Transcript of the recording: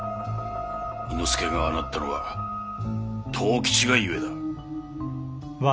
猪之助がああなったのは藤吉が故だ。